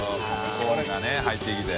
コーンがね入ってきて。